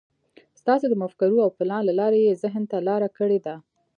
ستاسې د مفکورو او پلان له لارې يې ذهن ته لاره کړې ده.